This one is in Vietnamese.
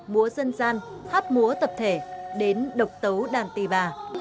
múa dân gian hát múa tập thể đến độc tấu đàn tì bà